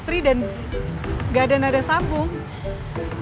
kalian gimana udah telpon putri